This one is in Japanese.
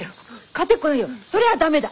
勝てっこないよ。それは駄目だ。